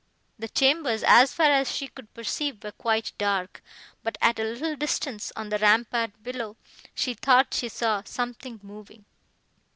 The chambers, as far as she could perceive, were quite dark, but, at a little distance, on the rampart below, she thought she saw something moving.